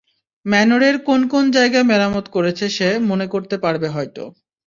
ম্যানরের কোন কোন জায়গা মেরামত করেছে সে, মনে করতে পারবে হয়তো।